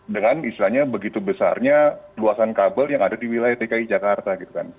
dengan misalnya begitu besarnya luasan kabel yang ada di wilayah tki jakarta